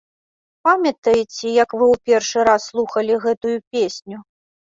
Памятаеце, як вы ў першы раз слухалі гэтую песню?